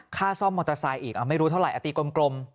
ค่าซ่อมมอเตอร์ไซค์อีกไม่รู้เท่าไหร่ตีกลม